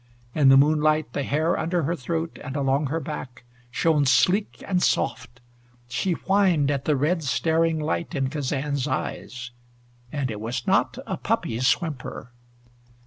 In the moonlight the hair under her throat and along her back shone sleek and soft. She whined at the red staring light in Kazan's eyes, and it was not a puppy's whimper.